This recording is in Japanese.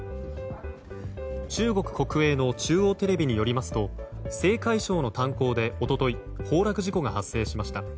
中国国営の中央テレビによりますと青海省の炭鉱で、一昨日崩落事故が発生しました。